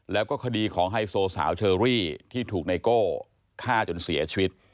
แล้วก็คดีของไฮโซสาวเชอรี่ที่ถูกไนโก้ฆ่าจนเสียชีวิต